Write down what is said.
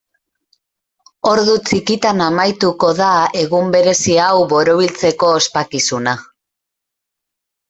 Ordu txikitan amaituko da egun berezi hau borobiltzeko ospakizuna.